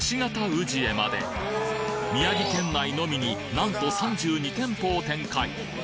ウジエまで宮城県内のみになんと３２店舗を展開